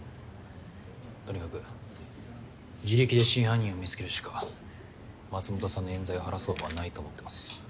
とにかく自力で真犯人を見つけるしか松本さんのえん罪を晴らす方法はないと思ってます。